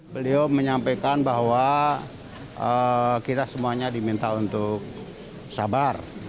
beliau menyampaikan bahwa kita semuanya diminta untuk sabar